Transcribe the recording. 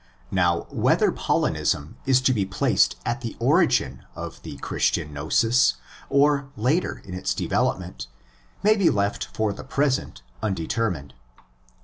Now, whether Paulinism is to be placed at the origin of the Christian gnosis or later in its development may be left for the present undetermined.